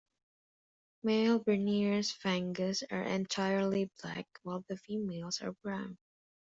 Male Bernier's vangas are entirely black while the females are brown.